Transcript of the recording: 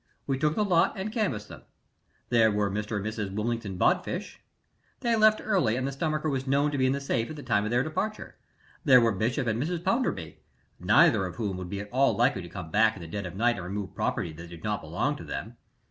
We took the lot and canvassed them. There were Mr. and Mrs. Willington Bodfish they left early and the stomacher was known to be safe at the time of their departure. There were Bishop and Mrs. Pounderby, neither of whom would be at all likely to come back in the dead of night and remove property that did not belong to them.